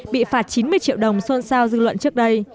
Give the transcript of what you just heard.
bị phạt chín mươi triệu đồng xuân sao dư luận trước đây